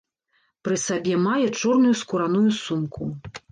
Пры сабе мае чорную скураную сумку.